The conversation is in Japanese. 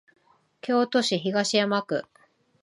京都市東山区